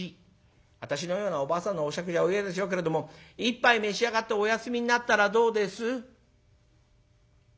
私のようなおばあさんのお酌じゃお嫌でしょうけれども一杯召し上がってお休みになったらどうです」。